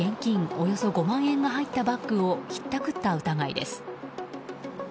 およそ５万円が入ったバッグをひったくった疑いです。